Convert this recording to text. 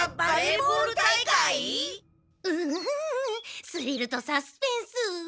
うんスリルとサスペンス。